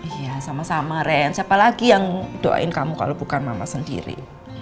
iya sama sama ren siapa lagi yang doain kamu kalau bukan mama sendiri